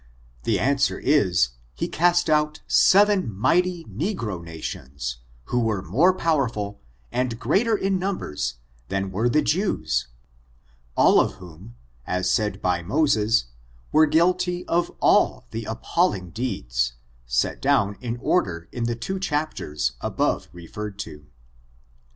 The answer is, he cast out seven mighty negro na tions, who were more powerful, and greater in num bers, than were the Jews, cUl of whom, as said by Moses, were guilty of cUl the appalling deeds, set down in order in the two chapters above referred to.